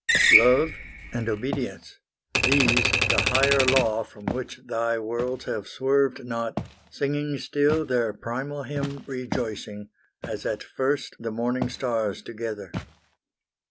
Love and Obedience these the Higher Law From which Thy worlds have swerved not, singing still Their primal hymn rejoicing, as at first The morning stars together.